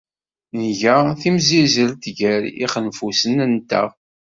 Nga timsizzelt gar yixenfusen-nteɣ.